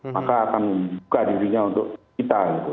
maka akan membuka dirinya untuk kita gitu